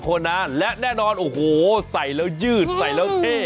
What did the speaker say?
คนนานและแน่นอนโอ้โหใส่แล้วยืดใส่แล้วเท่